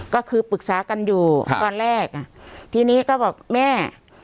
ก็คือปรึกษากันอยู่ตอนแรกอ่ะทีนี้ก็บอกแม่